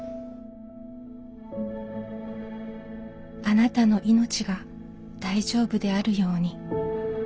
「あなたのいのちが大丈夫であるように」。